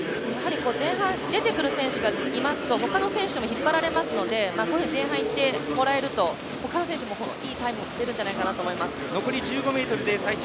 前半に出てくる選手がいますとほかの選手も引っ張られますので前半いってもらえると他の選手もいいタイムが出るんじゃないかなと思います。